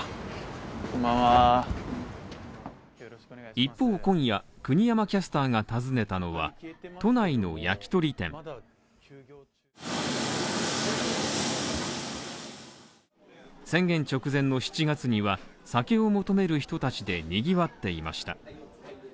一方、今夜、国山キャスターが訪ねたのは、都内の焼き鳥店宣言直前の７月には酒を求める人たちで賑わっていました。